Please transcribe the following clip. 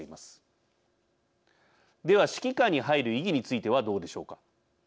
では指揮下に入る意義についてはどうでしょうか。